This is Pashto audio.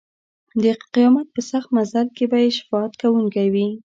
د قیامت په سخت منزل به یې شفاعت کوونکی وي.